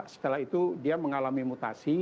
setelah itu dia mengalami mutasi